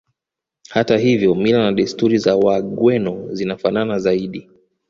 Hata hivyo mila na desturi za Wagweno zinafanana zaidi